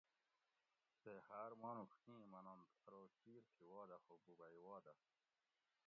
"تے ہار مانوڄ اِں مننت ارو "" چِیر تھی وادہ خو بوبئ وادہ"""